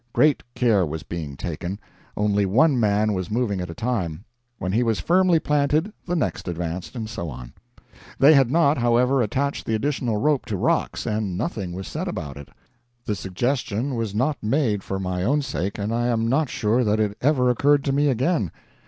Great care was being taken. Only one man was moving at a time; when he was firmly planted the next advanced, and so on. They had not, however, attached the additional rope to rocks, and nothing was said about it. The suggestion was not made for my own sake, and I am not sure that it ever occurred to me again.